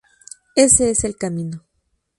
Ese es el camino.